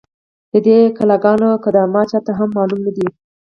، د دې کلا گانو قدامت چا ته هم معلوم نه دی،